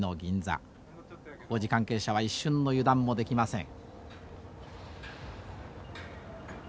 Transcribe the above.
工事関係者は一瞬の油断もできません。